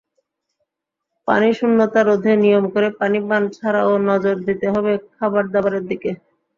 পানিশূন্যতা রোধে নিয়ম করে পানি পান ছাড়াও নজর দিতে হবে খাবারদাবারের দিকে।